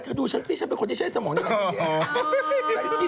ดูฉันสิฉันเป็นคนที่ใช้สมองอย่างดี